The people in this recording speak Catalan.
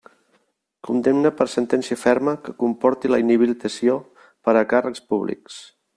Condemna per sentència ferma, que comporti la inhabilitació per a càrrecs públics.